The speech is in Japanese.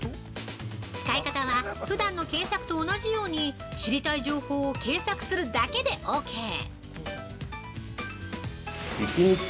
使い方は、ふだんの検索と同じように知りたい情報を検索するだけでオーケー！